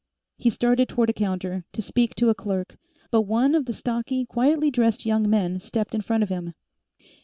He started toward a counter, to speak to a clerk, but one of the stocky, quietly dressed young men stepped in front of him.